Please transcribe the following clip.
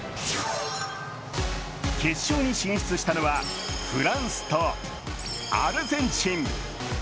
決勝に進出したのはフランスとアルゼンチン。